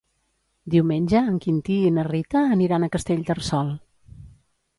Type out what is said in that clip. Diumenge en Quintí i na Rita aniran a Castellterçol.